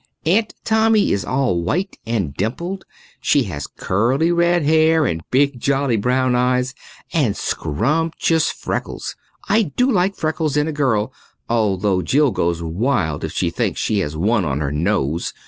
Aunt Tommy is all white and dimpled. She has curly red hair and big jolly brown eyes and scrumptious freckles. I do like freckles in a girl, although Jill goes wild if she thinks she has one on her nose.